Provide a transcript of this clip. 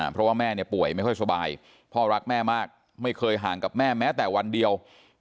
เพราะว่าแม่ป่วยไม่ค่อยสบายพ่อรักแม่มากไม่เคยห่างกับแม่แม้แต่วันเดียว